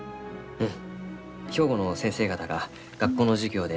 うん。